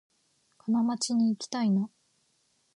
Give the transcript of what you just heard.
金町にいきたいな